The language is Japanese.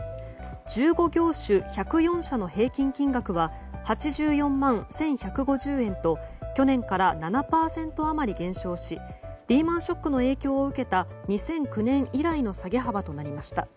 １５業種１０４社の平均金額は８４万１１５０円と去年から７％余り減少しリーマン・ショックの影響を受けた２００９年以来の下げ幅となりました。